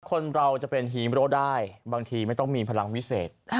คนเราจะเป็นฮีโร่ได้บางทีไม่ต้องมีพลังวิเศษ